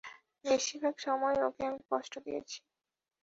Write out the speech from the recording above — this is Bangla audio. বেশির ভাগ সময়ই ওকে আমি কষ্ট দিয়েছি।